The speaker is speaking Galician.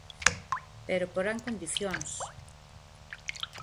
Pero porán condicións.